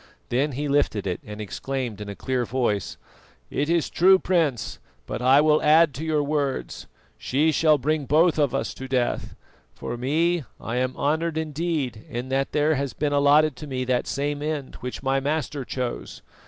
Then he lifted it, and exclaimed in a clear voice: "It is true, Prince, but I will add to your words. She shall bring both of us to death. For me, I am honoured indeed in that there has been allotted to me that same end which my Master chose.